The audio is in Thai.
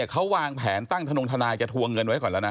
เขาวางแผนตั้งธนงทนายจะทวงเงินไว้ก่อนแล้วนะ